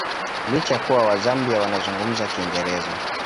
Licha ya kuwa Wazambia wanazungumza Kiingereza